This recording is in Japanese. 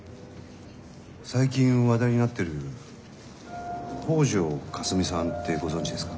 最近話題になってる「北條かすみさん」ってご存じですか？